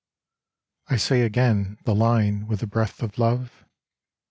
I say again, the line with the breath of love.